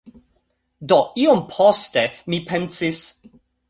Do, iom poste mi pensis